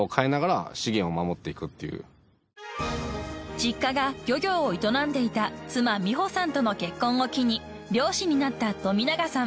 ［実家が漁業を営んでいた妻・美保さんとの結婚を機に漁師になった富永さん］